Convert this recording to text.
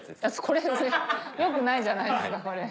よくないじゃないですかこれ。